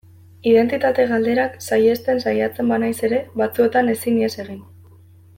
Identitate galderak saihesten saiatzen banaiz ere, batzuetan ezin ihes egin.